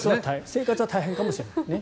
生活は大変かもしれないね。